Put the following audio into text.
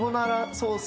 ソース。